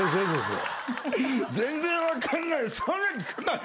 全然分かんない。